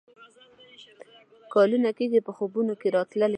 کلونه کیږي په خوبونو کي راتللې اشنا،